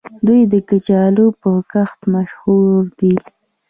دوی د کچالو په کښت مشهور دي.